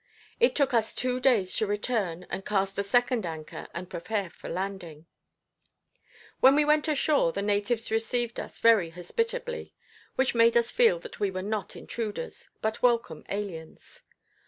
It took us two days to return and cast a second anchor and prepare for landing. When we went ashore the natives received us very hospitably, which made us feel that we were not intruders, but welcome aliens.